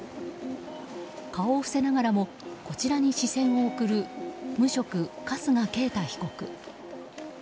顔を伏せながらもこちらに視線を送る無職、春日慶太被告。